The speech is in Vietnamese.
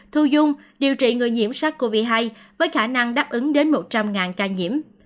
thu dung điều trị người nhiễm sars cov hai với khả năng đáp ứng đến một trăm linh ca nhiễm